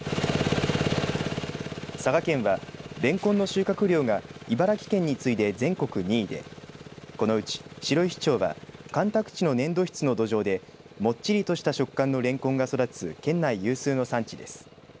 佐賀県は、れんこんの収穫量が茨城県に次いで全国２位でこのうち白井町は干拓地の粘土質の土壌でもっちりとした食感のれんこんが育つ県内有数の産地です。